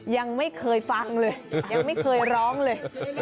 ยังไม่เคยฟังเลยยังไม่เคยร้องเลย